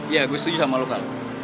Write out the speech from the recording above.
iya gue setuju sama lo kal